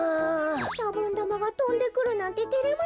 シャボンだまがとんでくるなんててれますねえ。